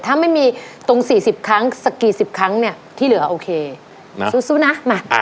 ถ้าไม่มีตรง๔๐ครั้งสักกี่สิบครั้งเนี่ยที่เหลือโอเคมาสู้นะมา